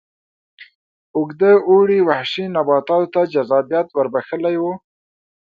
اوږد اوړي وحشي نباتاتو ته جذابیت ور بخښلی و.